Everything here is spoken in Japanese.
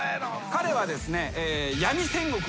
彼はですね。